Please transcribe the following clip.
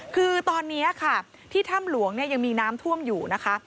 คือตอนนี้ค่ะที่ถ้ำหลวงเนี่ยยังมีน้ำท่วมอยู่นะคะ